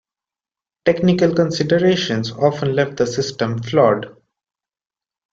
Technical considerations often left the system flawed.